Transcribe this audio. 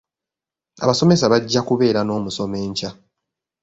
Abasomesa bajja kubeera n'omusomo enkya.